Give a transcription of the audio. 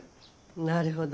なるほど。